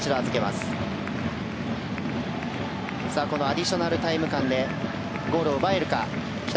アディショナルタイム間でゴールを奪えるか。